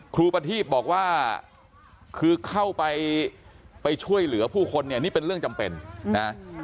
ประทีบบอกว่าคือเข้าไปไปช่วยเหลือผู้คนเนี่ยนี่เป็นเรื่องจำเป็นนะ